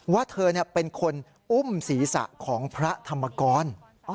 ว่าเธอเป็นคนอุ้มศีรษะของพระธรรมกร